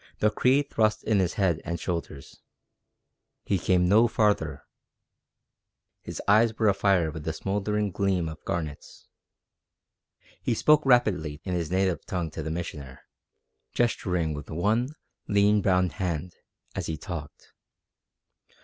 The Cree thrust in his head and shoulders. He came no farther. His eyes were afire with the smouldering gleam of garnets. He spoke rapidly in his native tongue to the Missioner, gesturing with one lean, brown hand as he talked.